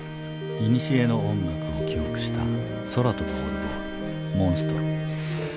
いにしえの音楽を記憶した空飛ぶオルゴール「モンストロ」。